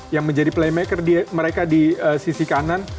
yang menjadi playmaker mereka di sisi kanan